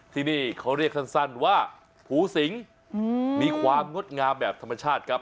ที่นี่เขาเรียกสั้นว่าภูสิงมีความงดงามแบบธรรมชาติครับ